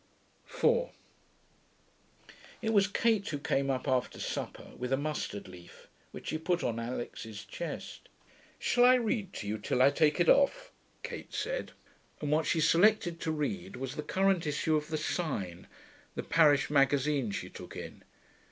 4 It was Kate who came up after supper, with a mustard leaf, which she put on Alix's chest. 'Shall I read to you till I take it off?' Kate said; and what she selected to read was the current issue of the Sign, the parish magazine she took in.